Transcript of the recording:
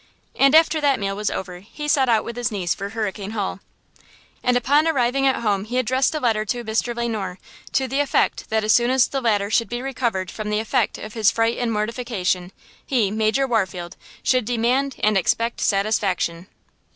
And after that meal was over he set out with his niece for Hurricane Hall. And upon arriving at home he addressed a letter to Mr. Le Noir, to the effect that as soon as the latter should be recovered from the effect of his fright and mortification, he, Major Warfield, should demand and expect satisfaction.